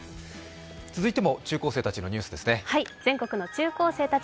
続いても中高生たちのニュースですね。